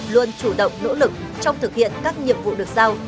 luôn chủ động nỗ lực trong thực hiện các nhiệm vụ được giao